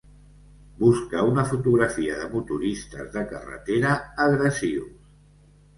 busca una fotografia de motoristes de carretera agressius